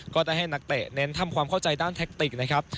ก็ได้ให้นักเตะเน้นทำความเข้าใจด้านแท็กติกนะครับ